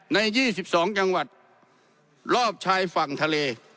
ใน๒๒จังหวัดรอบชายฝั่งทะเล